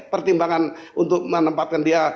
pertimbangan untuk menempatkan dia